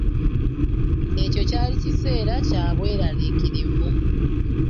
Ekyo kyali kiseera kyabwerariikirivu.